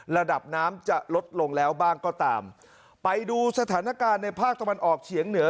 ระดับน้ำจะลดลงแล้วบ้างก็ตามไปดูสถานการณ์ในภาคตะวันออกเฉียงเหนือ